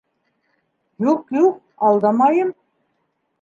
— Юҡ, юҡ, алдамайым!